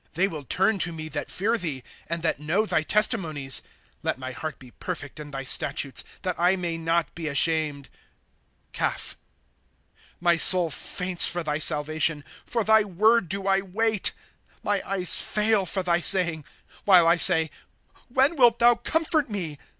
They will turn to me that fear thee. And that know thy testimonies. ' Let my heart be perfect in thy statutes, That I may not be ashamed. Caph. ' My soul faints for thy salvation ; For thy word do I wait. ' My eyes fail for thy saying, While I say : When wilt thou comfort me